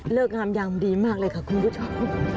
งามยามดีมากเลยค่ะคุณผู้ชม